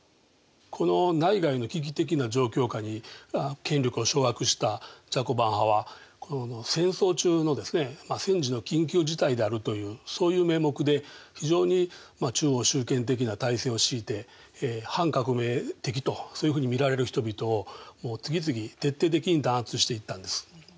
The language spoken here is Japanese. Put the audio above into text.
この内外の危機的な状況下に権力を掌握したジャコバン派はこの戦争中の戦時の緊急事態であるというそういう名目で非常に中央集権的な体制を敷いて反革命的とそういうふうに見られる人々を次々徹底的に弾圧していったんです。